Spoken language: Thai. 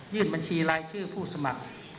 บัญชีรายชื่อผู้สมัคร